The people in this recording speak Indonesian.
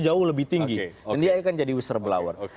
jauh lebih tinggi dan dia akan jadi whistleblower